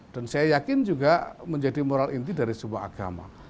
dan saya yakin juga menjadi moral inti dari semua agama